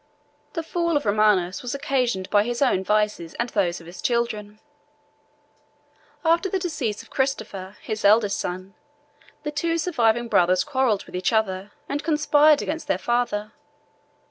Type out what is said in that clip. The fall of Romanus was occasioned by his own vices and those of his children. After the decease of Christopher, his eldest son, the two surviving brothers quarrelled with each other, and conspired against their father.